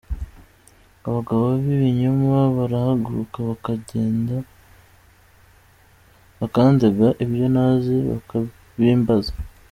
Abagabo b’ibinyoma barahaguruka, Bakandega ibyo ntazi bakabimbaza.